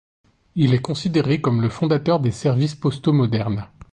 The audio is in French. Il est considéré comme le fondateur des services postaux modernes.